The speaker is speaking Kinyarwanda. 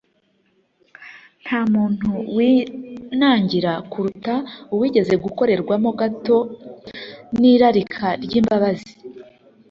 Nta muntu winangira kuruta uwigeze akorerwamo gato n'irarika ry'imbabazi